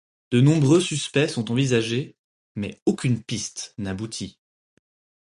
De nombreux suspects sont envisagés, mais aucune piste n'aboutit.